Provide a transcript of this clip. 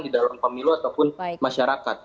di dalam pemilu ataupun masyarakat